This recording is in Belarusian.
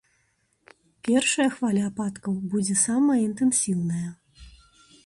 Першая хваля ападкаў будзе самая інтэнсіўная.